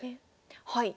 はい。